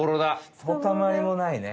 ひとたまりもないね。